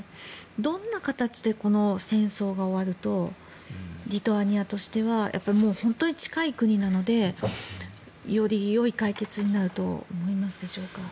どんな形でこの戦争が終わるとリトアニアとしてはもう本当に近い国なのでよりよい解決になると思いますでしょうか。